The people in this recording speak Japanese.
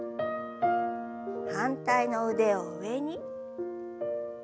反対の腕を上に。